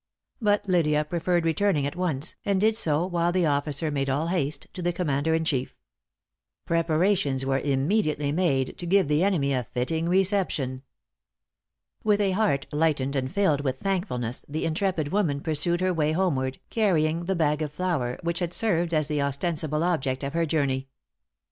But Lydia preferred returning at once; and did so, while the officer made all haste to the commander in chief. Preparations were immediately made to give the enemy a fitting reception. With a heart lightened and filled with thankfulness the intrepid woman pursued her way homeward, carrying the bag of flour which had served as the ostensible object of her journey!